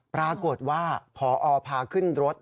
ปรากฏว่าพอพาขึ้นรถ